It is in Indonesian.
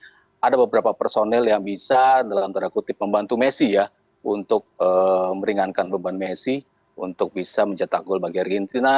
karena ada beberapa personel yang bisa dalam tanda kutip membantu messi ya untuk meringankan beban messi untuk bisa mencetak gol bagi argentina